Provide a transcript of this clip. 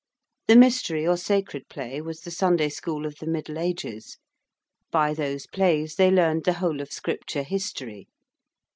The Mystery or Sacred Play was the Sunday school of the middle ages. By those plays they learned the whole of Scripture History.